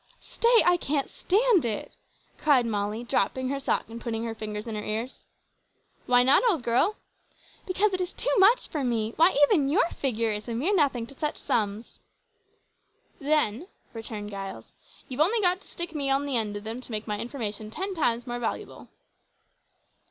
"Stay, I can't stand it!" cried Molly, dropping her sock and putting her fingers in her ears. "Why not, old girl?" "Because it is too much for me; why, even your figure is a mere nothing to such sums!" "Then," returned Giles, "you've only got to stick me on to the end of them to make my information ten times more valuable."